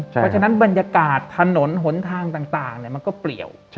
เพราะฉะนั้นบรรยากาศถนนหนทางต่างมันก็เปลี่ยว